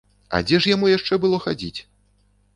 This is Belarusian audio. А дзе ж яму яшчэ было хадзіць?